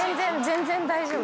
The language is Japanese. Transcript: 全然大丈夫です。